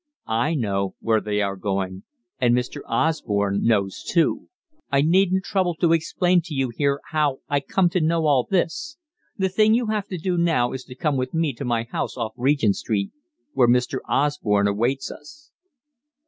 I know where they are going, and Mr. Osborne knows too; I needn't trouble to explain to you here how I come to know all this. The thing you have to do now is to come with me to my house off Regent Street, where Mr. Osborne awaits us."